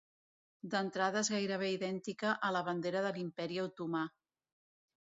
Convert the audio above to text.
D'entrada és gairebé idèntica a la Bandera de l'Imperi Otomà.